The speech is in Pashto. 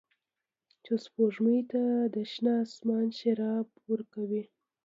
چې سپوږمۍ ته د شنه اسمان شراب ورکوي